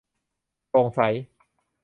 โปร่งใส